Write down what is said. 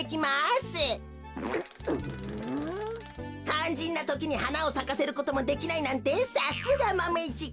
かんじんなときにはなをさかせることもできないなんてさすがマメ１くん。